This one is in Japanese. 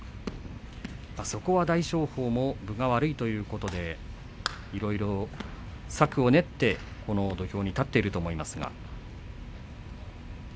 そこは大翔鵬も分が悪いということでいろいろ策を練ってこの土俵に立っていると思います。